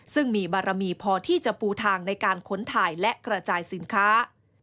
ซึ่งมีบารมีพอที่จะปูทางในการค้นถ่ายและกระจายสินค้า